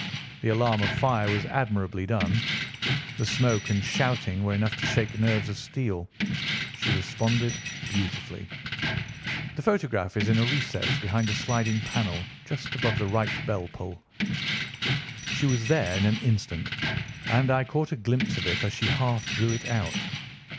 The alarm of fire was admirably done. The smoke and shouting were enough to shake nerves of steel. She responded beautifully. The photograph is in a recess behind a sliding panel just above the right bell pull. She was there in an instant, and I caught a glimpse of it as she half drew it out.